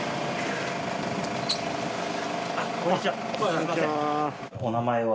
こんにちは。